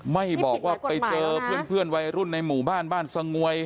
ไม่บอกว่าไปเจอเพื่อนวัยรุ่นในหมู่บ้านบ้านสงวย